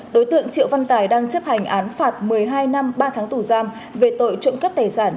đối tượng triệu văn tài đang chấp hành án phạt một mươi hai năm ba tháng tù giam về tội trộm cắp tài sản